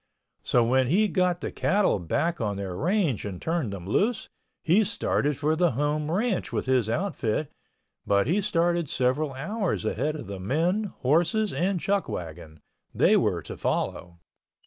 So when he had got the cattle back on their range and turned them loose, he started for the home ranch with his outfit, but he started several hours ahead of the men, horses and chuckwagon—they were to follow.